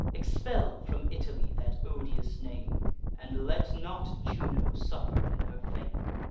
Expel from Italy that odious name, And let not Juno suffer in her fame.